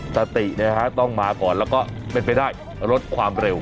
สติต้องมาก่อนแล้วก็เป็นไปได้ลดความเร็ว